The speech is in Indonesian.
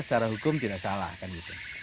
secara hukum tidak salah kan gitu